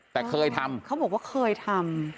แต่เคยทำเขาบอกว่าเคยทำ